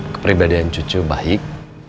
kepribadian cucu baik